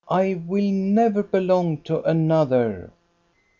I will never belong to another."